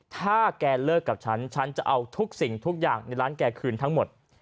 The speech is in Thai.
ถ้าแกเลิกกับฉันฉันจะเอาทุกสิ่งทุกอย่างในร้านแกคืนทั้งหมด